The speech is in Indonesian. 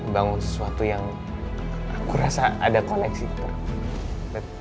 bangun sesuatu yang aku rasa ada koneksi gitu